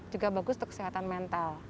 juga bagus untuk kesehatan mental